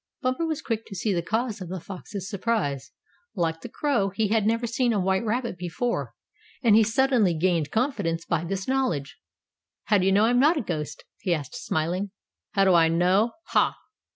Bumper was quick to see the cause of the fox's surprise. Like the crow, he had never seen a white rabbit before, and he suddenly gained confidence by this knowledge. "How do you know I'm not a ghost?" he asked, smiling. "How do I know? Ha!